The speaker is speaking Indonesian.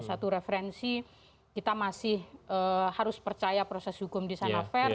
satu referensi kita masih harus percaya proses hukum di sana fair